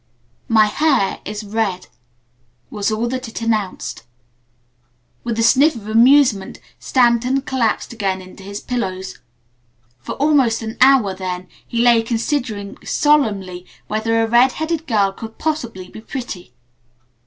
"My hair is red," was all that it announced. With a sniff of amusement Stanton collapsed again into his pillows. For almost an hour then he lay considering solemnly whether a red headed girl could possibly be pretty.